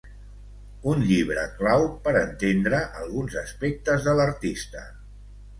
Un llibre clau per entendre alguns aspectes de l’artista.